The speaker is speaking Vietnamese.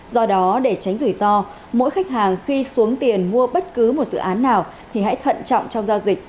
do đó để tránh rủi ro mỗi khách hàng khi xuống tiền mua bất cứ một dự án nào thì hãy thận trọng trong giao dịch